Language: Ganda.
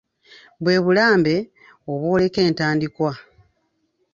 Bwe bulambe obwoleka entandikwa.